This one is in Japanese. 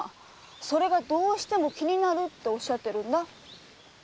それがどうしても気になるっておっしゃってるんだ。